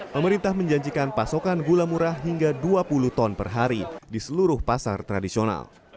pemerintah menjanjikan pasokan gula murah hingga dua puluh ton per hari di seluruh pasar tradisional